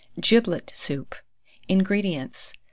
GIBLET SOUP. 168. INGREDIENTS.